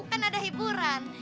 kan ada hiburan